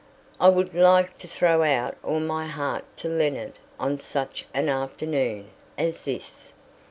I would like to throw out all my heart to Leonard on such an afternoon as this.